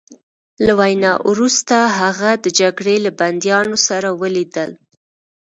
له وینا وروسته هغه د جګړې له بندیانو سره ولیدل